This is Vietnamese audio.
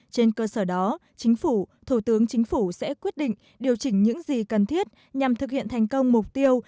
trên cơ sở đó chính phủ thủ tướng chính phủ sẽ quyết định điều chỉnh những gì cần thiết nhằm thực hiện thành công mục tiêu